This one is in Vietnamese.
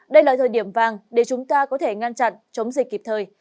đây là thời điểm vàng để chúng ta có thể ngăn chặn chống dịch kịp thời